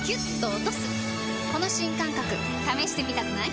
この新感覚試してみたくない？